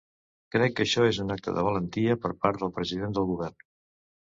Crec que això és un acte de valentia per part del president del govern.